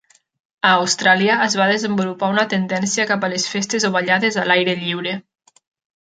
A Austràlia, es va desenvolupar una tendència cap a les festes o ballades a l'aire lliure.